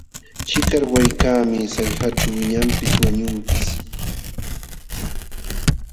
Chikarwaykaqmi sallqaćhu wiñanpis wayunpis.